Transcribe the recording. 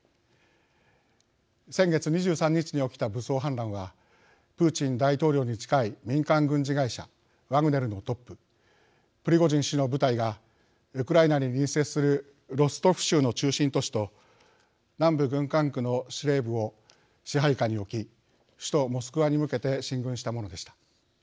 先月２３日に起きた武装反乱はプーチン大統領に近い民間軍事会社ワグネルのトッププリゴジン氏の部隊がウクライナに隣接するロストフ州の中心都市と南部軍管区の司令部を支配下に置き首都モスクワに向けて進軍したものでした。